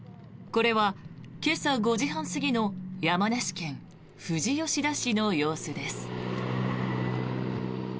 これは今朝５時半過ぎの山梨県富士吉田市の様子です。